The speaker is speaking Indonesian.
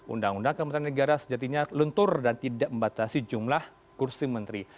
undang undang kementerian negara sejatinya luntur dan tidak membatasi jumlah kursi menteri